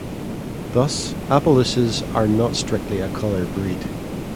Thus, Appaloosas are not strictly a color breed.